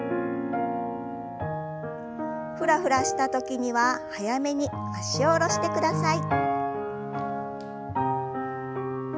フラフラした時には早めに脚を下ろしてください。